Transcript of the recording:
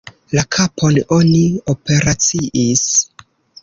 La kapon oni operaciis.